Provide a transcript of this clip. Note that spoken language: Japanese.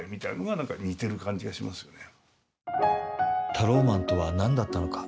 タローマンとは何だったのか？